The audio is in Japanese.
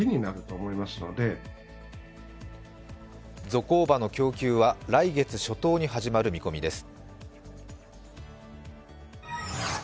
ゾコーバの供給は来月初頭に始まる見込みです。